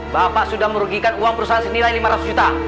bapak sudah merugikan uang perusahaan senilai lima ratus juta